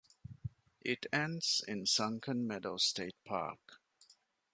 It ends in Sunken Meadow State Park.